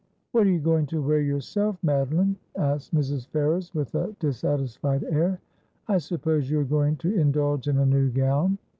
' What are you going to wear yourself, Madoline ?' asked Mrs. Ferrers with a dissatisfied air. ' I suppose you are going to indulge in a new gown.'